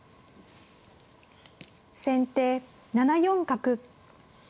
先手７四角。